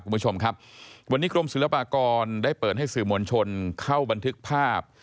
คุณผู้ชมครับวันนี้กรมศิลปากรได้เปิดให้สื่อมวลชนเข้าบันทึกภาพ